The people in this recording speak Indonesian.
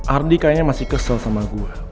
ardi kayaknya masih kesel sama gue